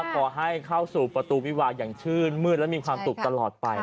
ขอให้เข้าสู่ประตูวิวาอย่างชื่นมืดและมีความสุขตลอดไป